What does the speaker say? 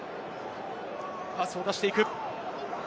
パスを出していく。